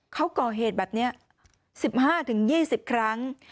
เขาก่อเหตุแบบเนี้ยสิบห้าถึงยี่สิบครั้ง